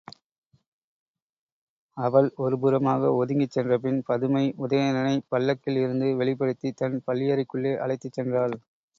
அவள் ஒரு புறமாக ஒதுங்கிச் சென்றபின் பதுமை உதயணனைப் பல்லக்கில் இருந்து வெளிப்படுத்தித் தன் பள்ளியறைக்குள்ளே அழைத்துச் சென்றாள்.